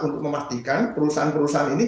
untuk memastikan perusahaan perusahaan ini